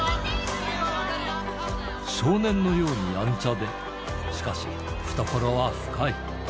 少年のようにやんちゃで、しかし、懐は深い。